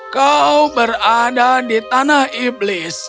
kau berada di tanah iblis